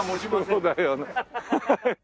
そうだよね。